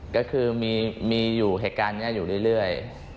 ก็คือมีอยู่เหตุการณ์นี้อยู่เรื่อย